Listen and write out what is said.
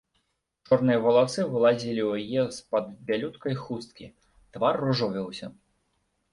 Чорныя валасы вылазілі ў яе з-пад бялюткай хусткі, твар ружовіўся.